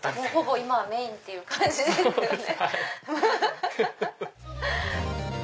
ほぼ今はメインって感じですね。